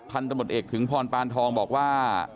พันธบทเอกถึงพรปานทองบอกว่า